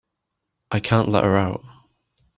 I can't let her out.